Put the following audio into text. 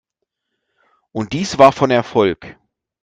Und dies war von Erfolg.